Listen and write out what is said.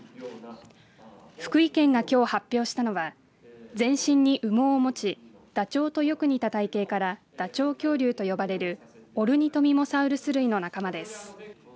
福井県がきょう発表したのは全身に羽毛を持ちダチョウとよく似た体型からダチョウ恐竜と呼ばれるオルニトミモサウルス類の仲間です。